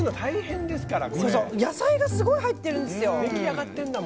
野菜がすごい入ってるんですよ。